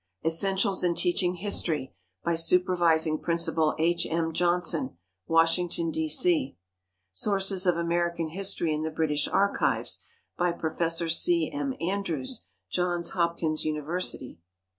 "Essentials in Teaching History," by Supervising Principal H. M. Johnson, Washington, D. C. "Sources of American History in the British Archives," by Prof. C. M. Andrews, Johns Hopkins University.